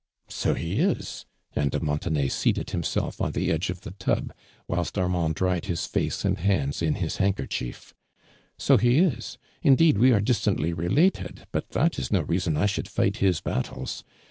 •' So ho is," and de Montenay seated him self on the edge of the tub, whilst Armand dried hi ' face and hands in his handkerchief. *' So ho is. Indeed, wo are distantly related, but that is no reason I should fight his battles.